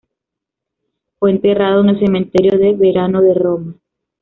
Fue enterrado en el Cementerio del Verano de Roma.